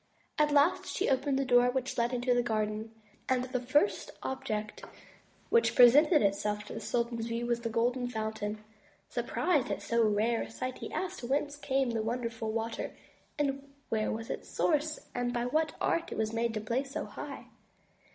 At last she opened a door which led into the garden; and the first object which presented itself to the sultan's view was the Golden Fountain. Surprised at so rare a sight, he asked whence came such wonderful water, where was its source, and by what art it was made to play so high.